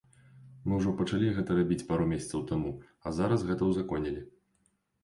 Мы ўжо пачалі гэта рабіць пару месяцаў таму, а зараз гэта узаконілі.